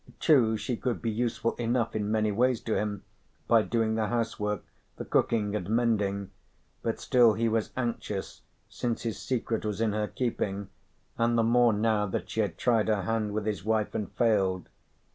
True she could be useful enough in many ways to him, by doing the housework, the cooking and mending, but still he was anxious since his secret was in her keeping, and the more now that she had tried her hand with his wife and failed.